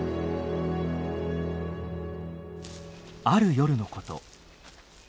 ある夜のこと。